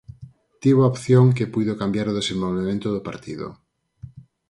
Tivo a opción que puido cambiar o desenvolvemento do partido.